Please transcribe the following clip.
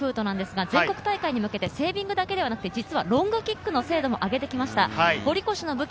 人は全国大会に向けてセービングだけではなく、ロングキックの精度もあげてきました。